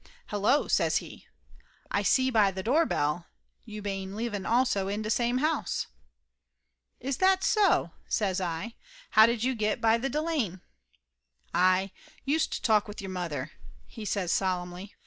"Hello!" says he. "Ay see by tha doorbell you bane living also in da same house!" "Is that so?" says I. "How did you get by the Delane?" "Ay youst talk with your mother," he says sol emnly.